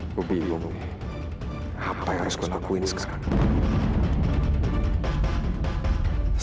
aku bingung apa yang harus gue lakuin sekarang